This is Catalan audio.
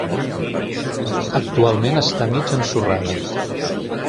Actualment està mig ensorrada.